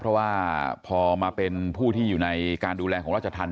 เพราะว่าพอมาเป็นผู้ที่อยู่ในการดูแลของราชธรรม